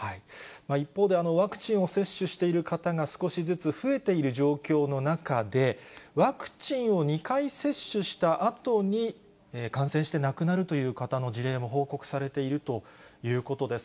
一方で、ワクチンを接種している方が少しずつ増えている状況の中で、ワクチンを２回接種したあとに感染して亡くなるという方の事例も報告されているということです。